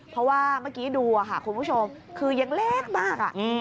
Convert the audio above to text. เพราะว่าเมื่อกี้ดูค่ะคุณผู้ชมคือยังเล็กมาก